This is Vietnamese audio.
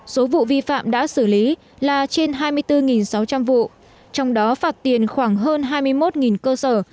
số vụ vi phạm đã xử lý là trên hai mươi bốn sáu trăm linh vụ trong đó phạt tiền khoảng hơn hai mươi một cơ sở